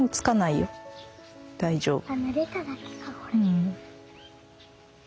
ぬれただけかこれ。